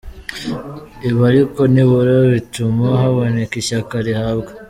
Ibi ariko nibura bituma haboneka ishyaka rihabwa